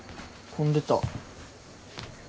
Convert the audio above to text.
混んでた。